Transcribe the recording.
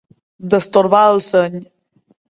Destorbar el seny.